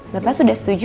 bapak sudah setuju